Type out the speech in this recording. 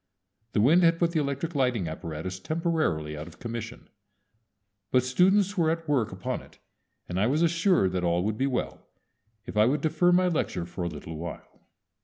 The wind had put the electric lighting apparatus temporarily out of commission; but students were at work upon it, and I was assured that all would be well if I would defer my lecture for a little while.